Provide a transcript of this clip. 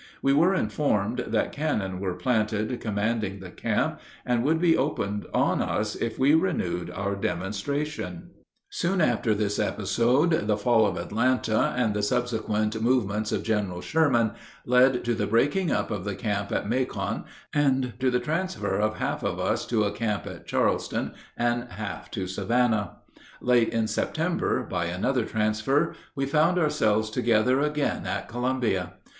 We were informed that cannon were planted commanding the camp, and would be opened on us if we renewed our demonstrations. Soon after this episode the fall of Atlanta and the subsequent movements of General Sherman led to the breaking up of the camp at Macon, and to the transfer of half of us to a camp at Charleston, and half to Savannah. Late in September, by another transfer, we found ourselves together again at Columbia.